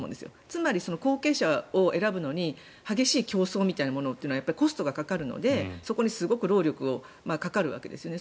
つまり、後継者を選ぶのに激しい競争というのはコストがかかるので、そこに労力がかかるわけですよね。